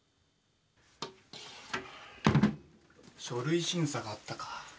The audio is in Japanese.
書類審査があったか。